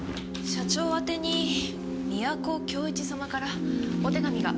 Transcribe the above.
社長宛に都京一様からお手紙が。